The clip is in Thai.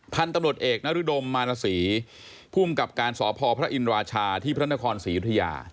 พันธุ์ตำรวจเอกนรุดมมารสีภูมิกับการสพพระอินราชาที่พระนครศรียุธยา